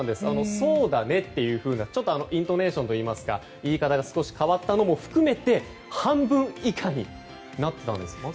そうだねという、ちょっとイントネーションといいますか言い方が少し変わったのも含めて半分以下になったんです。